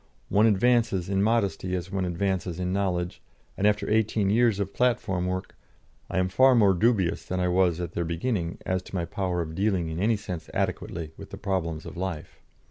One advances in modesty as one advances in knowledge, and after eighteen years of platform work, I am far more dubious than I was at their beginning as to my power of dealing in any sense adequately with the problems of life.)